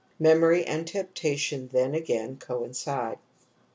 Memory and temptation then again coincide.